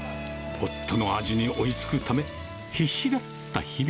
夫の味に追いつくため、必死だった日々。